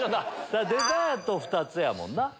デザート２つやもんな。